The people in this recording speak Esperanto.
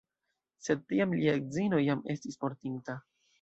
Sed tiam lia edzino jam estis mortinta.